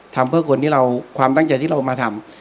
ทำเพื่อความตั้งใจที่เรามาทำ